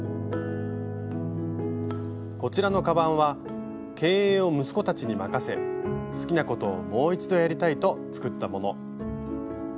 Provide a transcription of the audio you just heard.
こちらのカバンは経営を息子たちに任せ好きなことをもう一度やりたいと作ったもの。